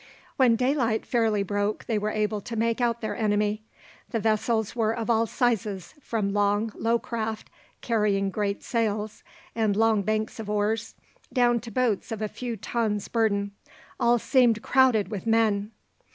When daylight fairly broke they were able to make out their enemy. The vessels were of all sizes, from long, low craft, carrying great sails and long banks of oars, down to boats of a few tons burden. All seemed crowded with men.